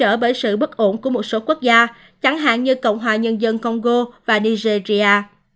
vì bị cản trở bởi sự bất ổn của một số quốc gia chẳng hạn như cộng hòa nhân dân congo và nigeria